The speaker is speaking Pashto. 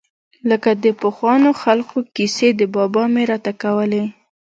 لکه د پخوانو خلقو کيسې چې بابا مې راته کولې.